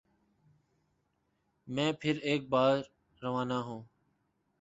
میں پھر ایک بار روانہ ہوں